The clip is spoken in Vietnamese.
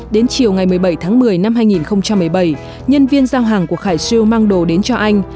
đến chiều ngày một mươi bảy tháng một mươi năm hai nghìn một mươi bảy nhân viên giao hàng của khải siêu mang đồ đến cho anh